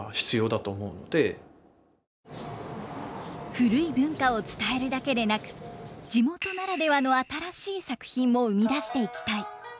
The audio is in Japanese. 古い文化を伝えるだけでなく地元ならではの新しい作品も生み出していきたい。